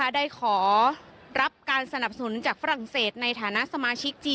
ได้ขอรับการสนับสนุนจากฝรั่งเศสในฐานะสมาชิกจีน